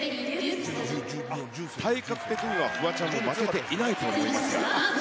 体格的にはフワちゃんも負けていないと思いますが。